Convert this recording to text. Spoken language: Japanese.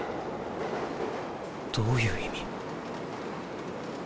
どういう意味？